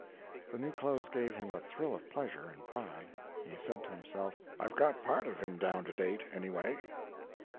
The new clothes gave him a thrill of pleasure and pride. He said to himself, "I've got part of him down to date, anyway."